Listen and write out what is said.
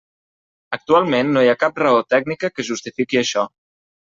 Actualment no hi ha cap raó tècnica que justifiqui això.